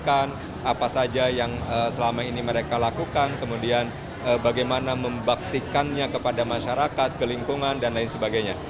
apa saja yang selama ini mereka lakukan kemudian bagaimana membaktikannya kepada masyarakat ke lingkungan dan lain sebagainya